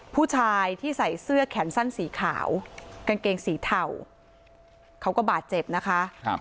ผู้ชายที่ใส่เสื้อแขนสั้นสีขาวกางเกงสีเทาเขาก็บาดเจ็บนะคะ